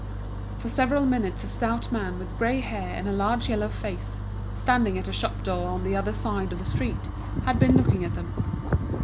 For several minutes a stout man with grey hair and a large yellow face, standing at a shop door on the other side of the street, had been looking at them.